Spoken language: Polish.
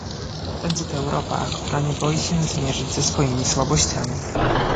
Będzie to Europa, która nie boi się zmierzyć ze swoimi słabościami